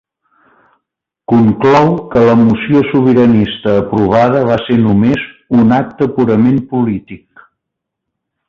Conclou que la moció sobiranista aprovada va ser només “un acte purament polític”